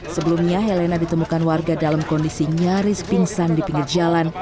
sebelumnya helena ditemukan warga dalam kondisi nyaris pingsan di pinggir jalan